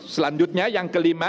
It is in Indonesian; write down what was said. selanjutnya yang kelima